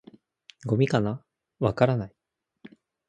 「ゴミかな？」「わからない」